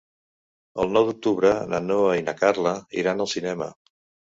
El nou d'octubre na Noa i na Carla iran al cinema.